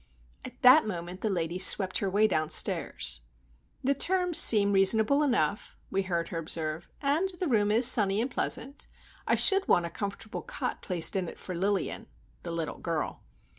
At that moment the lady swept on her way downstairs. "The terms seem reasonable enough," we heard her observe, "and the room is sunny and pleasant. I should want a comfortable cot placed in it for Lilian,"—the little girl.